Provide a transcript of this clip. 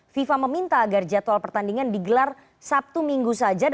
fifa meminta agar jadwal pertandingan digelar sabtu minggu saja